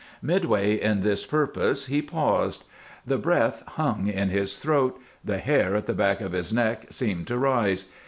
Midway in this purpose he paused. The breath hung in his throat, the hair at the back of his neck seemed to rise.